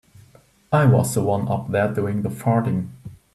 I was the one up there doing the farting.